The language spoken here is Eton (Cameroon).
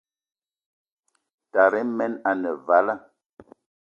Tara men ane vala.